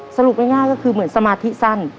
สรุปง่ายก็คือเหมือนสมาธิสั้น